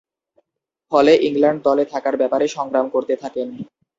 ফলে, ইংল্যান্ড দলে থাকার ব্যাপারে সংগ্রাম করতে থাকেন।